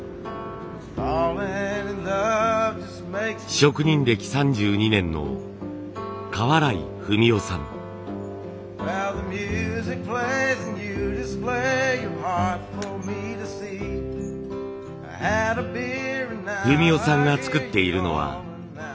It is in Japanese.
職人歴３２年の文雄さんが作っているのはみかも焼。